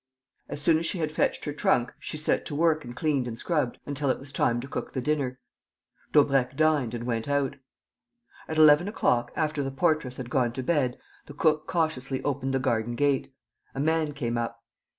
As soon as she had fetched her trunk, she set to work and cleaned and scrubbed until it was time to cook the dinner. Daubrecq dined and went out. At eleven o'clock, after the portress had gone to bed, the cook cautiously opened the garden gate. A man came up.